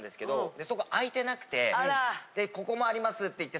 でそこ開いてなくてで「ここもあります」って行って。